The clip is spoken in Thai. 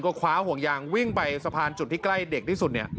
ก็คว้าห่วงยางวิ่งไปสะพานจุดที่ใกล้เด็กที่สุดเนี่ย